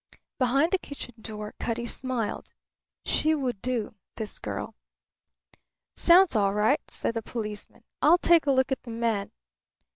Behind the kitchen door Cutty smiled. She would do, this girl. "Sounds all right," said the policeman. "I'll take a look at the man."